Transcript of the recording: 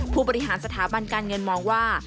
ผู้บริหารสถาบันการเงินมองว่า